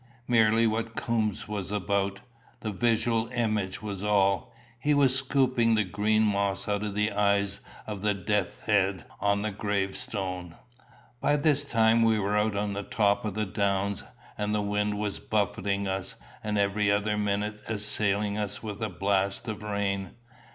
"Merely what Coombes was about. The visual image was all. He was scooping the green moss out of the eyes of the death's head on the gravestone." By this time we were on the top of the downs, and the wind was buffeting us, and every other minute assailing us with a blast of rain.